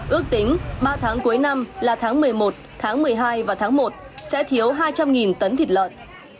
ước tính ba tháng cuối năm là tháng một mươi một tháng một mươi hai và tháng một sẽ thiếu hai trăm linh tấn thịt lợn